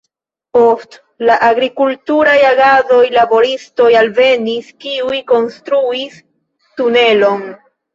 Post la agrikulturaj agadoj laboristoj alvenis, kiuj konstruis tunelon.